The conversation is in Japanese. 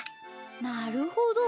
なるほど。